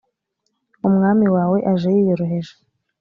umwami wawe aje yiyoroheje